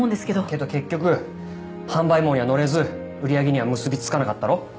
けど結局販売網には乗れず売り上げには結び付かなかったろ。